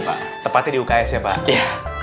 nah teman teman sudah uang jerak